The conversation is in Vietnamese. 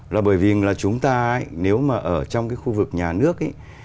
là bởi vì là chúng ta nếu mà ở trong cái khu vực nhà nước ấy